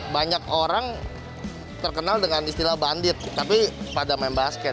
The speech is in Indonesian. banyak orang terkenal dengan istilah bandit tapi pada main basket